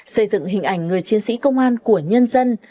xây dựng hình ảnh người chiến sĩ công an của nhân dân